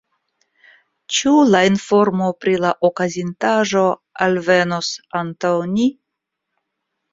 Ĉu la informo pri la okazintaĵo alvenos antaŭ ni?